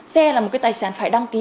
xe là một cái tài sản phải đăng ký